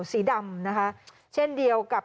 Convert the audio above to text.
สีดำนะคะเช่นเดียวกับ